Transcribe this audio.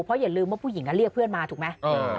เพราะอย่าลืมว่าผู้หญิงเรียกเพื่อนมาถูกไหม